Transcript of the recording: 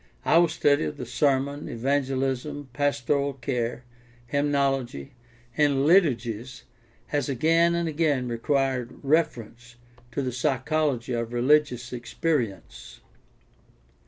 Our study of the sermon, evangelism, pastoral care, hymnology, and liturgies has again and again required reference to the psy chology of religious experience.